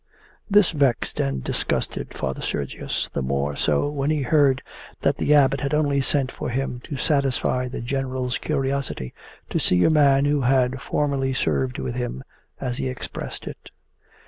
This vexed and disgusted Father Sergius, the more so when he heard that the Abbot had only sent for him to satisfy the general's curiosity to see a man who had formerly served with him, as he expressed it.